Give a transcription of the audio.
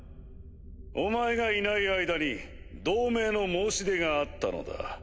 お前がいない間に同盟の申し出があったのだ。